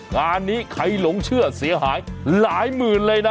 งานนี้ใครหลงเชื่อเสียหายหลายหมื่นเลยนะ